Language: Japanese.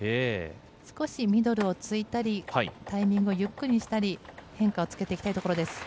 少しミドルを突いたりタイミングをゆっくりにしたり変化をつけていきたいところです。